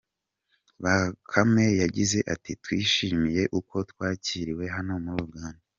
Bakame yagize ati “Twishimiye uko twakiriwe hano muri Uganda.